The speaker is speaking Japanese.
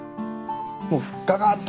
もうガガッと。